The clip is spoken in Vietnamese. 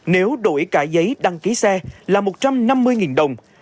nếu đổi cả giấy đăng ký xe là một trăm năm mươi đồng